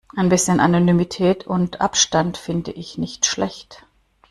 Ein bisschen Anonymität und Abstand finde ich nicht schlecht.